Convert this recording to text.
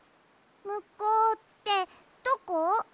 むこうってどこ？